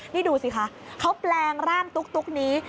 นี่ดูสิคะเขาแปลงร่างตุ๊กนี้